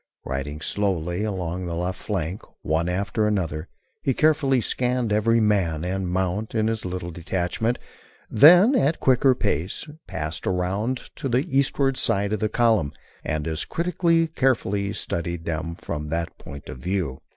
Riding slowly along the left flank, one after another, he carefully scanned every man and mount in his little detachment, then, at quicker pace, passed around to the eastward side of the column, and as critically, carefully studied them from that point of view.